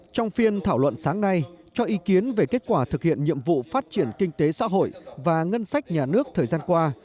trong phiên thảo luận sáng nay cho ý kiến về kết quả thực hiện nhiệm vụ phát triển kinh tế xã hội và ngân sách nhà nước thời gian qua